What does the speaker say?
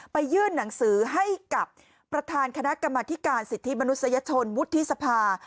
ยื่นหนังสือให้กับประธานคณะกรรมธิการสิทธิมนุษยชนวุฒิสภา